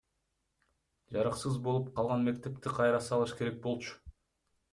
Жараксыз болуп калган мектепти кайра салыш керек болчу.